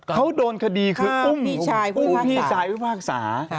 เขาโดนคดีคืออุ้มพี่ชายผู้ภาคสา